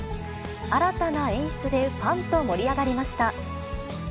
新たな演出でファンと盛り上がりました。